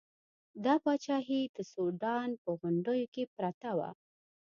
دا پاچاهي د سوډان په غونډیو کې پرته وه.